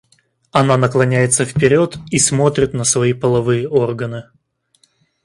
Она наклоняется вперёд и смотрит на свои половые органы.